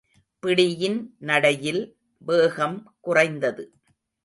பிடியின் நடையில் வேகம் குறைந்தது.